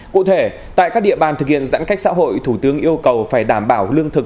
cụ thể tại các địa bàn thực hiện giãn cách xã hội thủ tướng yêu cầu phải đảm bảo lương thực